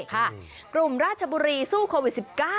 กลุ่มราชบุรีสู้โควิด๑๙